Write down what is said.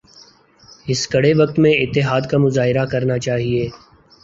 اس کڑے وقت میں اتحاد کا مظاہرہ کرنا چاہئے